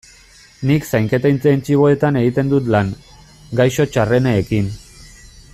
Nik Zainketa Intentsiboetan egiten dut lan, gaixo txarrenekin.